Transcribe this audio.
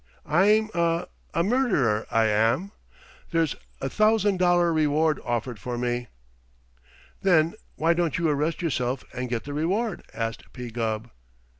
I'm a a murderer, I am. There's a thousand dollar reward offered for me." "Then why don't you arrest yourself and get the reward?" asked P. Gubb.